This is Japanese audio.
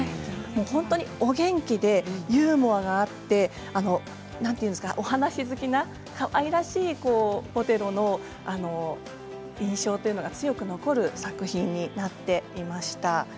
本当にお元気でユーモアがあってなんて言うんですか、お話好きな愛らしいボテロの印象というのが強く残る作品になっていました。